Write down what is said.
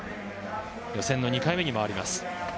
予選の２回目に回ります。